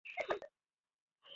Cheers, বন্ধুরা।